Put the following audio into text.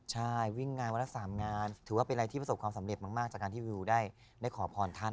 ใช่วิ่งงานวันละ๓งานถือว่าเป็นอะไรที่ประสบความสำเร็จมากจากการที่วิวได้ขอพรท่าน